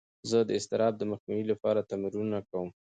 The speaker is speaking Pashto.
زه د اضطراب د مخنیوي لپاره تمرینونه کوم.